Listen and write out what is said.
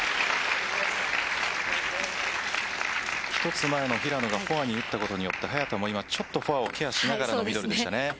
１つ前の平野がフォアに打ったことによって早田も今フォアをケアしながらのミドルでした。